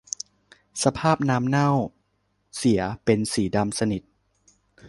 สภาพน้ำก็เน่าเสียเป็นสีดำสนิท